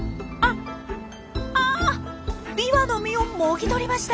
ビワの実をもぎ取りました。